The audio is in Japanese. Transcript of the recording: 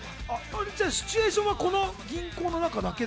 シチュエーションは銀行の中だけで？